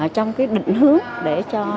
trong cái định hướng để cho